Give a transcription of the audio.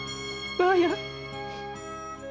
ばあや！